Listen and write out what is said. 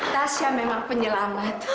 tasya memang penyelamat